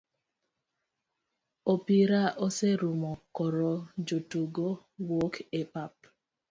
Opira oserumo koro jotugo wuok e pap